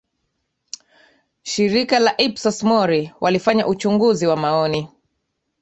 shirika la ipsos mori walifanya uchunguzi wa maoni